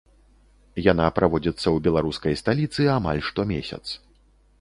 Яна праводзіцца ў беларускай сталіцы амаль штомесяц.